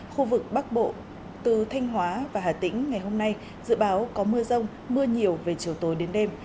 khu vực bắc bộ từ thanh hóa và hà tĩnh ngày hôm nay dự báo có mưa rông mưa nhiều về chiều tối đến đêm